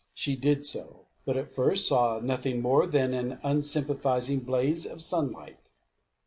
She did so; but at first saw nothing more than an unsympathising blaze of sunlight.